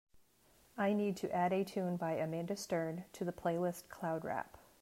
I need to add a tune by Amanda Stern to the playlist cloud rap.